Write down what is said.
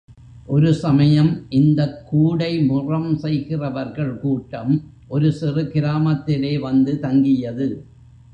ஒரு சமயம் இந்தக் கூடைமுறம் செய்கிறவர்கள் கூட்டம் ஒரு சிறு கிராமத்திலே வந்து தங்கியது.